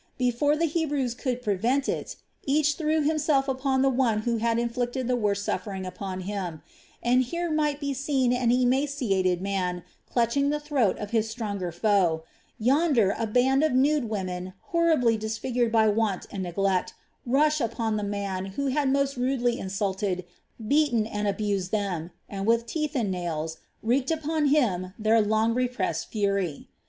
Before the Hebrews could prevent it, each threw himself upon the one who had inflicted the worst suffering upon him; and here might be seen an emaciated man clutching the throat of his stronger foe, yonder a band of nude women horribly disfigured by want and neglect, rush upon the man who had most rudely insulted, beaten, and abused them, and with teeth and nails wreak upon him their long repressed fury.